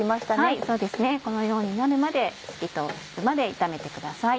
このようになるまで透き通るまで炒めてください。